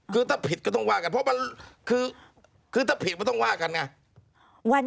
คือถ้าผิดก็ต้องว่ากันเพราะคือถ้าผิดมันต้องว่ากันไง